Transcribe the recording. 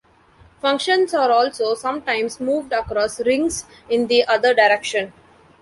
Functions are also sometimes moved across rings in the other direction.